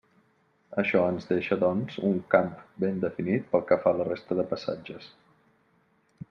Això ens deixa, doncs, un camp ben definit pel que fa a la resta de passatges.